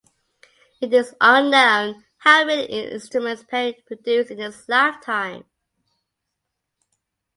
It is unknown how many instruments Perry produced in his lifetime.